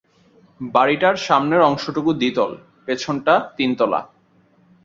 বাড়িটার সামনের অংশটুকু দ্বিতল, পেছনটা তিনতলা।